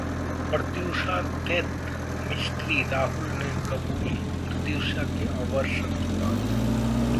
Pratyusha death mystery: Rahul ने कबूली प्रत्यूषा के अबॉर्शन की बात